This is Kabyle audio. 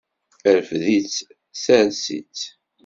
Rfed-itt, sers-itt.